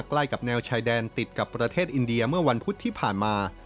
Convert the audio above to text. ใกล้กับแนวชายแดนติดกับประเทศอินเดียเมื่อวันพุธที่ผ่านมา